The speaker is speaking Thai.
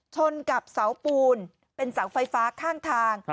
ชนกับเสาปูนเป็นเสาไฟฟ้าข้างทาง